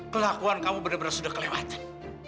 kelakuan kamu bener bener sudah kelewatan